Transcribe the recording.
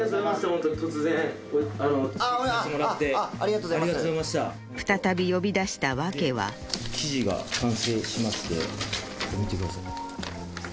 ホントに突然突撃させてもらってありがとうございました再び呼び出した訳はこれ見てください